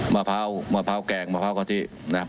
มะพร้าวมะพร้าวแกงมะพร้าวกะทินะ